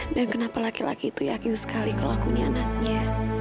dan kenapa laki laki itu yakin sekali kalau aku ini anaknya